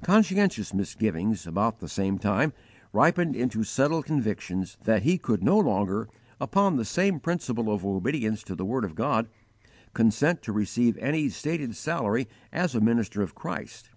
Conscientious misgivings, about the same time, ripened into settled convictions that he could no longer, upon the same principle of obedience to the word of God, consent to receive any stated salary as a minister of Christ.